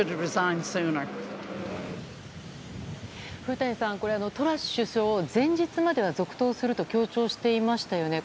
古谷さん、トラス首相は前日までは続投すると強調していましたよね。